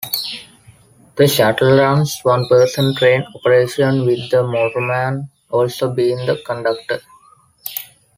The shuttle runs One Person Train Operation with the motorman also being the conductor.